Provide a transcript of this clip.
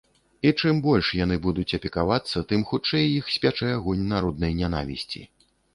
І чым больш яны будуць апекавацца, тым хутчэй іх спячэ агонь народнай нянавісці.